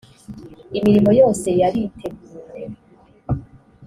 imirimo yose yariteguwe